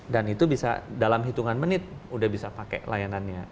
dan itu bisa dalam hitungan menit sudah bisa pakai layanannya